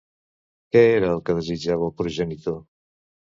Què era el que desitjava el progenitor?